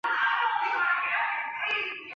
从耳后到颈部的颅骨线条平滑流畅。